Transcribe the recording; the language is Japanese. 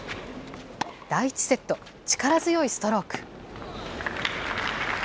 第１セット、力強いストローク。